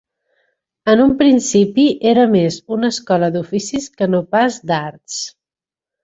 En un principi era més una escola d'oficis que no pas d'arts.